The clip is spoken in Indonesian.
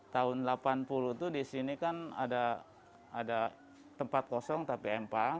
tahun delapan puluh itu di sini kan ada tempat kosong tapi empang